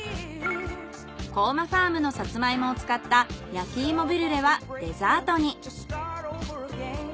コウマファームのサツマイモを使った焼き芋ブリュレはデザートに。